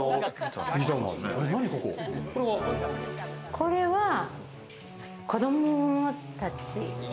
これは、子供たち。